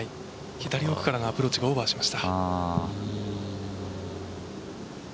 左奥からのアプローチがオーバーしました。